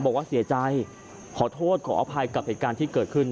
บอกว่าเสียใจขอโทษขออภัยกับเหตุการณ์ที่เกิดขึ้น